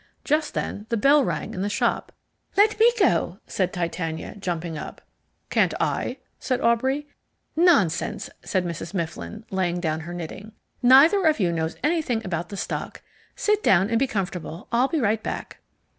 Just then the bell rang in the shop. "Let me go," said Titania, jumping up. "Can't I?" said Aubrey. "Nonsense!" said Mrs. Mifflin, laying down her knitting. "Neither of you knows anything about the stock. Sit down and be comfortable. I'll be right back."